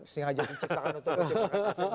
sengaja diciptakan untuk cpns